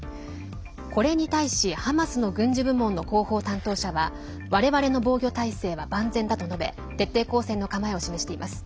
これに対し、ハマスの軍事部門の広報担当者は我々の防御態勢は万全だと述べ徹底抗戦の構えを示しています。